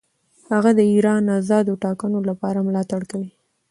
هغه د ایران آزادو ټاکنو لپاره ملاتړ کوي.